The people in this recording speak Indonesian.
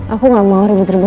aku nggak mau ribut ribet